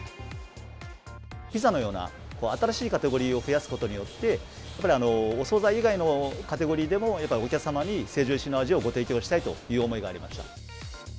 ピザのような新しいカテゴリーを増やすことによって、やっぱりお総菜以外のカテゴリーでもやっぱりお客様に成城石井の味をご提供したいという思いがありました。